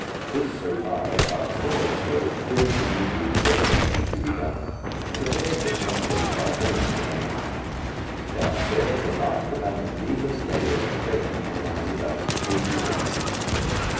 This, so far as "upstairs" goes, really only leaves bedmaking to be done, and a bed does not take five minutes to make. Downstairs a vast amount of needless labour at present arises out of table wear.